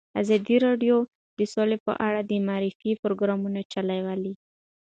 ازادي راډیو د سوله په اړه د معارفې پروګرامونه چلولي.